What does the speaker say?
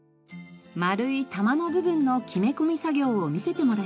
丸い玉の部分の木目込み作業を見せてもらいました。